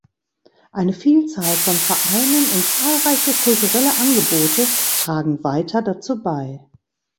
Eine Vielzahl von Vereinen und zahlreiche kulturelle Angebote tragen weiter dazu bei.